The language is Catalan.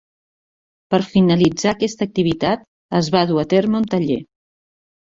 Per finalitzar aquesta activitat es va dur a terme un taller.